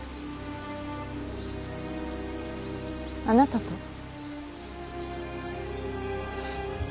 あなたと？